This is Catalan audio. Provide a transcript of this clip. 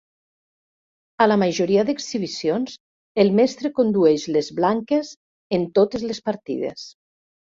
A la majoria d'exhibicions, el mestre condueix les blanques en totes les partides.